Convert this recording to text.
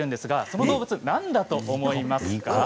その動物は何だと思いますか？